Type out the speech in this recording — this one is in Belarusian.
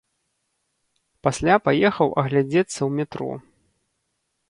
Пасля паехаў агледзецца ў метро.